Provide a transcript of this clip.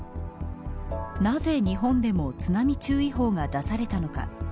なぜ日本でも津波注意報が出されたのか。